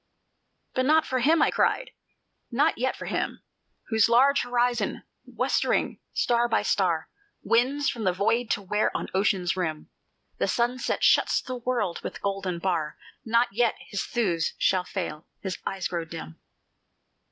"But not for him," I cried, "not yet for him, Whose large horizon, westering, star by star Wins from the void to where on Ocean's rim The sunset shuts the world with golden bar, Not yet his thews shall fail, his eye grow dim!